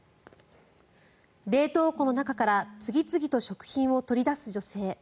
冷凍庫の中から次々と食品を取り出す女性。